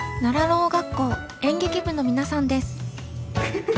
ろう学校演劇部の皆さんです。